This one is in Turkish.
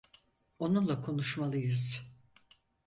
Onunla konuşmalıyız.